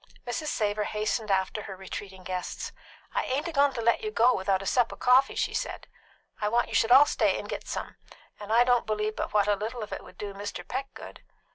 Mrs. Savor hastened after her retreating guests. "I ain't a goin' to let you go without a sup of coffee," she said. "I want you should all stay and git some, and I don't believe but what a little of it would do Mr. Peck good."